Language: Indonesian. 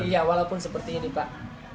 iya walaupun seperti ini pak